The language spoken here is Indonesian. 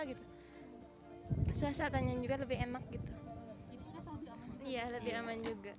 suasanya juga lebih enak lebih aman juga